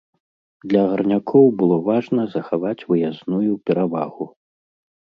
Для гарнякоў было важна захаваць выязную перавагу.